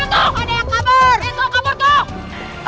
ada yang kabur tuh